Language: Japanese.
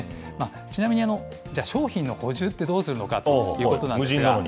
ちなみに、じゃあ、商品の補充はどうするのかということなんですが。